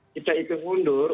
kita hitung mundur